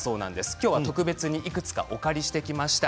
今日は特別に、いくつかお借りしてきました。